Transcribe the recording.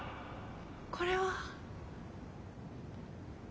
これは。